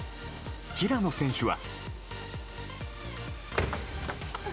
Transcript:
平野選手は。